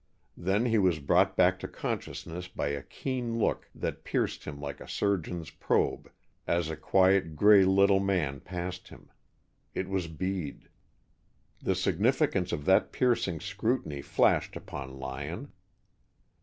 Then he was brought back to consciousness by a keen look that pierced him like a surgeon's probe as a quiet gray little man passed him. It was Bede. The significance of that piercing scrutiny flashed upon Lyon.